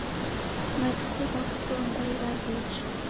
Matuku gha kutua mbai ghawecha